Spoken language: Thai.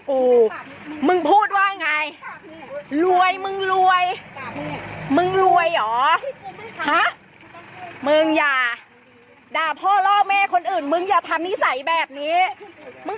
มึงเป็นผู้ชายปะหามึงเป็นผู้ชายปะหาแล้วมึงอย่าดูถูกผู้หญิง